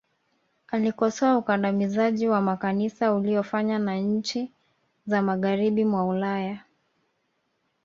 alikosoa ukandamizaji wa makanisa uliyofanya na nchi za magharibi mwa ulaya